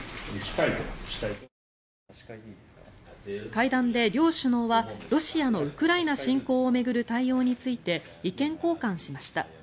会談で両首脳はロシアのウクライナ侵攻を巡る対応について意見交換しました。